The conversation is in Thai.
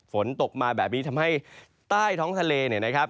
ฝนตกมาแบบนี้ทำให้ใต้ท้องทะเลเนี่ยนะครับ